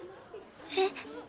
えっ？